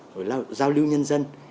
rồi giao lưu nhân dân